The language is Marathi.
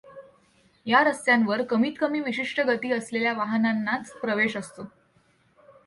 या रस्त्यांवर कमीतकमी विशिष्ट गति असलेल्या वाहनांनाच प्रवेश असतो.